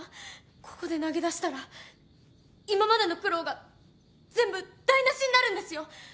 ここで投げ出したら今までの苦労が全部台なしになるんですよ。